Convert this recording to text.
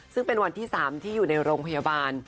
ซึ่งเป็นวันที่๓ที่อยู่ในโรงพยาบาล